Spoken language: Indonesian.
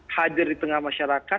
hadir di tengah masyarakat